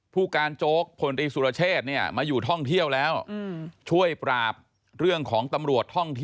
ภูการโจ๊กพลมตรีสุรเชษฐ์มาอยู่ท่องเที่ยวแล้ว